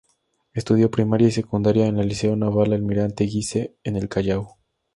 Estudió primaria y secundaria en el Liceo Naval Almirante Guise, en el Callao.